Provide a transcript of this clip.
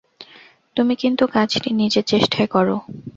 তুমি কিন্তু কাজটি নিজের চেষ্টায় কর।